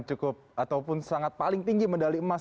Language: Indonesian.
cukup ataupun sangat paling tinggi medali emas